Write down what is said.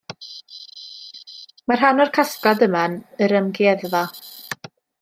Mae rhan o'r casgliad yma yn yr amgueddfa